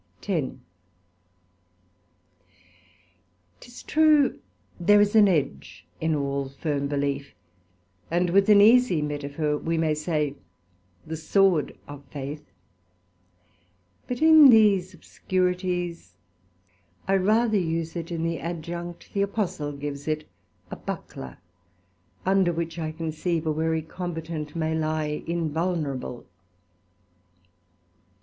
SECT.10 'Tis true, there is an edge in all firm belief, and with an easie Metaphor we may say, the Sword of Faith; but in these obscurities I rather use it in the adjunct the Apostle gives it, a Buckler; under which I conceive a wary combatant may lye invulnerable.